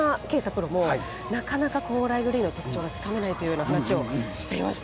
プロもなかなか高麗グリーンの特徴がつかめないというような話をしていました。